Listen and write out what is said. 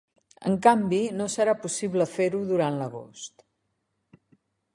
En canvi, no serà possible fer-ho durant l’agost.